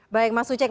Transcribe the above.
baik mas uceng